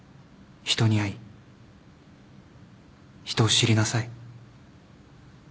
人に会い人を知りなさい。